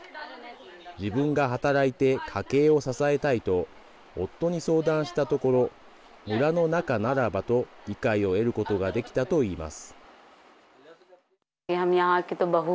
自分が働いて家計を支えたいと夫に相談したところ村の中ならばと理解を得ることができたと言います。